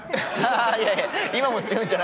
いやいや今も強いじゃないですか。